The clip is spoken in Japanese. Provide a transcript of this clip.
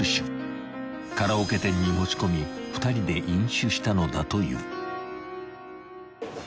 ［カラオケ店に持ち込み２人で飲酒したのだという］